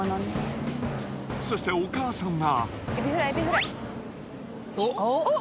そして、お母さんは。